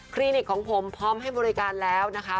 นิกของผมพร้อมให้บริการแล้วนะคะ